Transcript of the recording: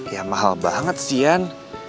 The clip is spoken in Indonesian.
ya mahal banget sih yan